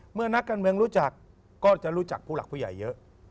นักการเมืองรู้จักก็จะรู้จักผู้หลักผู้ใหญ่เยอะ